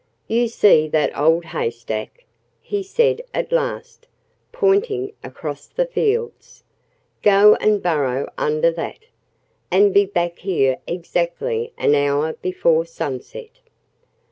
"You see that old haystack?" he said at last, pointing across the fields. "Go and burrow under that. And be back here exactly an hour before sunset."